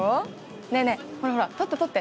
ねえねえほらほら撮って撮って。